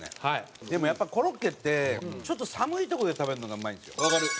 でもやっぱコロッケってちょっと寒い所で食べるのがうまいんですよ。わかる。